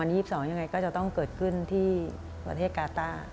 ยังไงก็จะต้องเกิดขึ้นที่ประเทศกาต้า